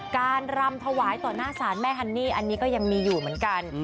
รำถวายต่อหน้าศาลแม่ฮันนี่อันนี้ก็ยังมีอยู่เหมือนกัน